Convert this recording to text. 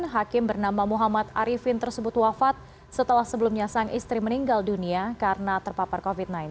hakim bernama muhammad arifin tersebut wafat setelah sebelumnya sang istri meninggal dunia karena terpapar covid sembilan belas